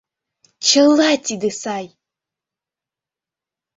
Чыла тиде сай!